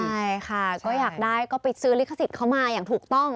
ใช่ค่ะก็อยากได้ก็ไปซื้อลิขสิทธิ์เขามาอย่างถูกต้อง